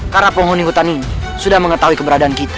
karena penghuni hutan ini sudah mengetahui keberadaan kita